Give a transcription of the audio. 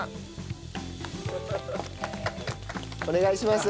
お願いします。